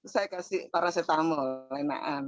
saya kasih paracetamol lain lain